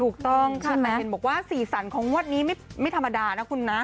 ถูกต้องค่ะแต่เห็นบอกว่าสีสันของงวดนี้ไม่ธรรมดานะคุณนะ